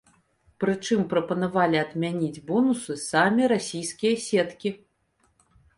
Прычым прапанавалі адмяніць бонусы самі расійскія сеткі.